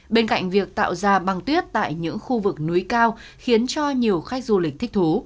bên cạnh việc tạo ra băng tuyết tại những khu vực núi cao khiến cho nhiều khách du lịch thích thú